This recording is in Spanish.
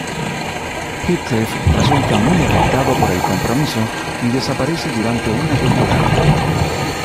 Heathcliff resulta muy afectado por el compromiso y desaparece durante una temporada.